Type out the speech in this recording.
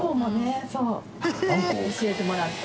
教えてもらった。